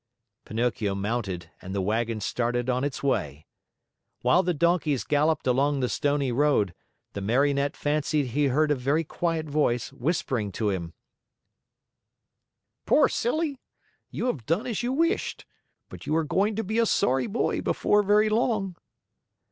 Pinocchio mounted and the wagon started on its way. While the donkeys galloped along the stony road, the Marionette fancied he heard a very quiet voice whispering to him: "Poor silly! You have done as you wished. But you are going to be a sorry boy before very long."